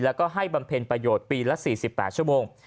แล้วก็ให้บำเพ็ญประโยชน์ปีละ๔๘ชั่วโมง